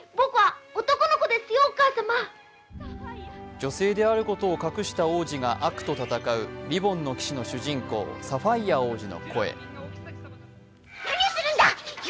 女性であることを隠した王子が悪と戦う「リボンの騎士」の主人公、サファイア王子の声。